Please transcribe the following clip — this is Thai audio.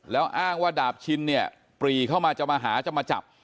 แล้วอ้างว่าดาบชินเนี่ยปรีเข้ามาจะมาหาจะมาจับ